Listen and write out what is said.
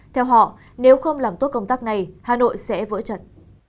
theo họ nếu không làm tốt công tác này hà nội sẽ vỡ trận